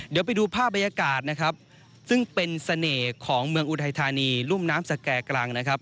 เดี๋ยวไปดูภาพบรรยากาศนะครับซึ่งเป็นเสน่ห์ของเมืองอุทัยธานีรุ่มน้ำสแก่กลางนะครับ